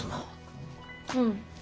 うん。